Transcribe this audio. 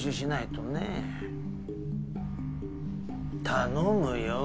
頼むよ。